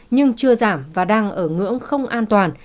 nhưng chưa giảm và đang ở ngưỡng không an toàn